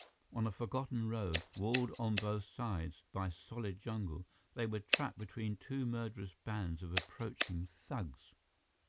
On a forgotten road, walled on both sides by solid jungle, they were trapped between two murderous bands of approaching thugs!